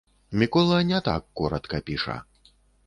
Мікола не так каротка піша.